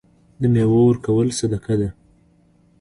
د میوو ورکول صدقه ده.